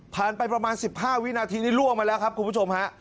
ไปประมาณ๑๕วินาทีนี้ล่วงมาแล้วครับคุณผู้ชมฮะ